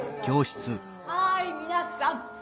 はいみなさん